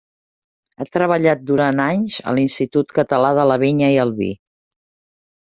Ha treballat durant anys a l'Institut Català de la Vinya i el Vi.